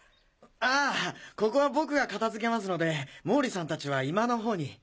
あここは僕が片付けますので毛利さん達は居間の方に。